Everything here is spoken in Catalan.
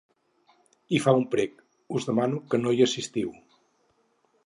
I fa un prec: Us demano que no hi assistiu.